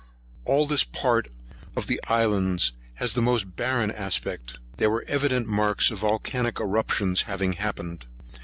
All this part of the island has a most barren aspect. There were evident marks of volcanic eruptions having happened.